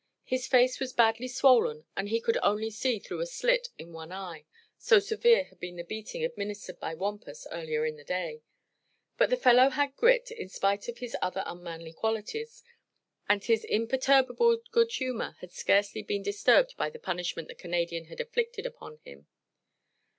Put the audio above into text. His face was badly swollen and he could only see through a slit in one eye, so severe had been the beating administered by Wampus earlier in the day; but the fellow had grit, in spite of his other unmanly qualities, and his imperturbable good humor had scarcely been disturbed by the punishment the Canadian had inflicted upon him.